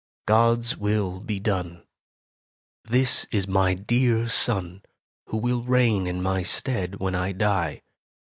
God's will be done! This is my dear son, who will reign in my stead, when I die.